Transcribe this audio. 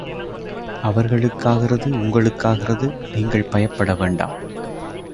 அவர்களுக் காகிறது உங்களுக்காகிறது நீங்கள் பயப்பட வேண்டாம்.